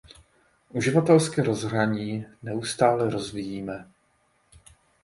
Uživatelské rozhraní neustále rozvíjíme.